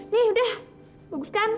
nih udah bagus kan